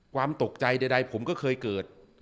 ความตกใจใดผมก็เคยเกิด